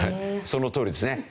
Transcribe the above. そのとおりですね。